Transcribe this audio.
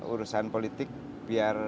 urusan politik biar